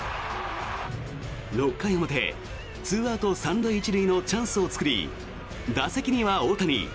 ６回表、２アウト３塁１塁のチャンスを作り打席には大谷。